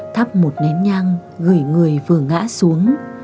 thắp một nén nhang gửi người vừa ngã xuống